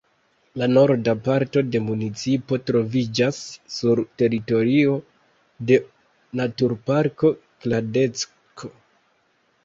La norda parto de municipo troviĝas sur teritorio de naturparko Kladecko.